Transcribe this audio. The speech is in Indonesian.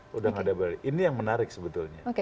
sudah tidak ada berarti ini yang menarik sebetulnya